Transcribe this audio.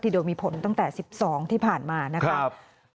โดยมีผลตั้งแต่๑๒ที่ผ่านมานะครับ